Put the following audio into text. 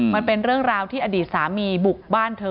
มันเป็นเรื่องราวที่อดีตสามีบุกบ้านเธอ